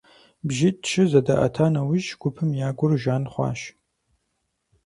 БжьитӀ-щы зэдаӀэта нэужь, гупым я гур жан хъуащ.